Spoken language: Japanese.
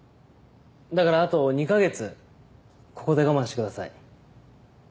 だからあと２カ月ここで我慢してください。